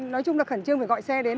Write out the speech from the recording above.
nói chung là khẩn trương phải gọi xe đến